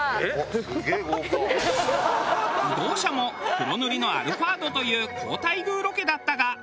移動車も黒塗りのアルファードという高待遇ロケだったが。